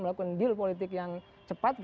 melakukan deal politik yang cepat